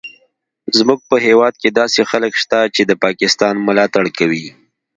زموږ په هیواد کې داسې خلک شته چې د پاکستان ملاتړ کوي